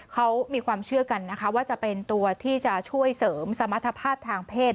เขามีความเชื่อกันนะคะว่าจะเป็นตัวที่จะช่วยเสริมสมรรถภาพทางเพศ